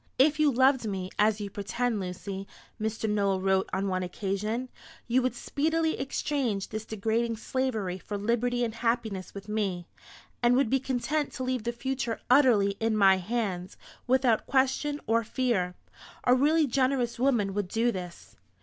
"If you loved me, as you pretend, Lucy," Mr. Nowell wrote on one occasion, "you would speedily exchange this degrading slavery for liberty and happiness with me, and would be content to leave the future utterly in my hands, without question or fear. A really generous woman would do this."